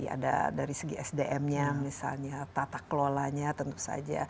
ada dari segi sdm nya misalnya tata kelolanya tentu saja